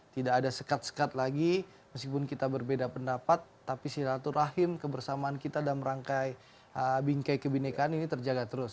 tidak ada sekat sekat lagi meskipun kita berbeda pendapat tapi silaturahim kebersamaan kita dalam rangkai bingkai kebinekaan ini terjaga terus